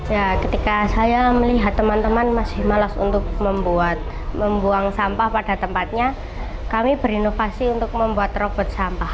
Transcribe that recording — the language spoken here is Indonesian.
ya ketika saya melihat teman teman masih malas untuk membuat membuang sampah pada tempatnya kami berinovasi untuk membuat robot sampah